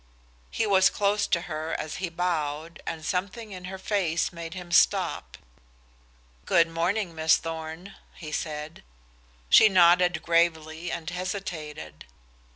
He was close to her as he bowed, and something in her face made him stop. "Good morning, Miss Thorn," he said. She nodded gravely and hesitated.